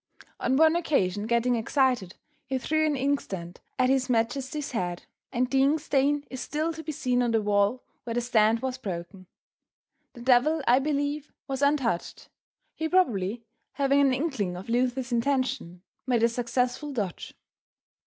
On one occasion getting excited, he threw an inkstand at his majesty's head, and the ink stain is still to be seen on the wall where the stand was broken. The devil I believe, was untouched, he probably having an inkling of Luther's intention, made a successful dodge.